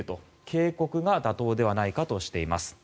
警告が妥当ではないかとしています。